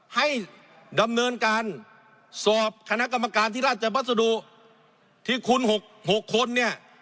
ให้ดำเนินการสอบคณะกรรมการที่ราชบัสดุที่คุณ๖คนเนี่ย